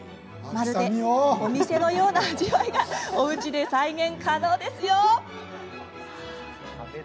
まるでお店のような味わいがおうちで再現可能ですよ。